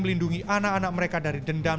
melindungi anak anak mereka dari dendam